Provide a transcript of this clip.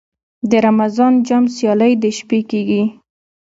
د رمضان جام سیالۍ د شپې کیږي.